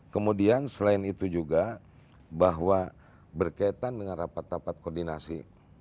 kemudian selain itu juga bahwa berkaitan dengan rapat rapat koordinasi